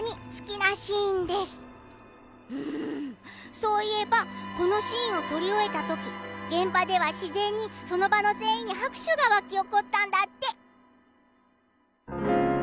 そういえばこのシーンを撮り終えたとき現場では自然にその場の全員に拍手が沸き起こったんだって。